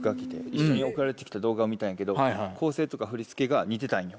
一緒に送られてきた動画を見たんやけど構成とか振り付けが似てたんよ。